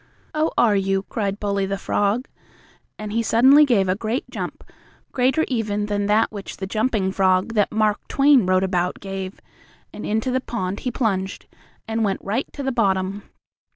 "Oh, are you?" cried Bully, the frog, and he suddenly gave a great jump, greater even than that which the Jumping Frog that Mark Twain wrote about gave, and into the pond he plunged, and went right to the bottom.